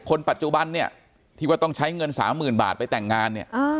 คนปัจจุบันเนี่ยที่ว่าต้องใช้เงิน๓๐๐๐บาทไปแต่งงานเนี่ย